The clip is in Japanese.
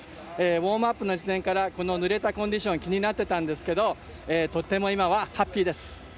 ウォームアップの時点からぬれたコンディション気になっていたんですがとても今はハッピーです。